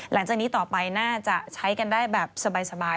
หลังจากนี้ต่อไปน่าจะใช้กันได้แบบสบาย